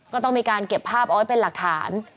ก็ต้องมีการเก็บภาพเอาไว้เป็นหลักฐาน